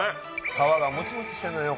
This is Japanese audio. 皮がモチモチしてんだよね